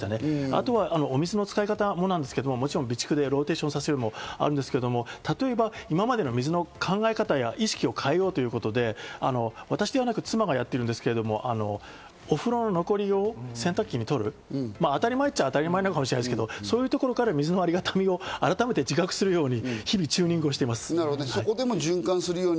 あとはお水の使い方もなんですが備蓄でローテーションさせることもありますが、例えば今までの水の考え方や意識を変えようということで、私ではなく妻がやってるんですけど、お風呂の残り湯を洗濯機にとる、当たり前っちゃ当たり前なのかもしれないですけど、そういうところから水のありがたみを改めて自覚するように日々チューニングしています。